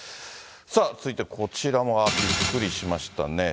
さあ、続いてこちらもびっくりしましたね。